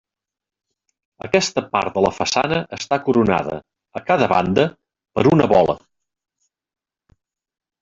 Aquesta part de la façana està coronada, a cada banda, per una bola.